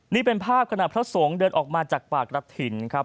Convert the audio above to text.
นี่เป็นภาพขณะพระสงฆ์เดินออกมาจากปากกระถิ่นครับ